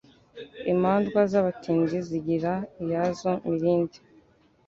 Imandwa z’abatindi zigira iyazo mirindi